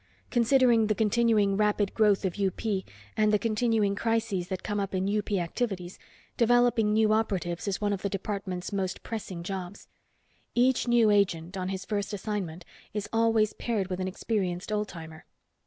Considering the continuing rapid growth of UP, and the continuing crises that come up in UP activities, developing new operatives is one of the department's most pressing jobs. Each new agent, on his first assignment, is always paired with an experienced old timer."